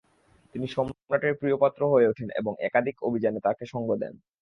তিনি সম্রাটের প্রিয়পাত্র হয়ে ওঠেন এবং একাধিক অভিযানে তাকে সঙ্গ দেন।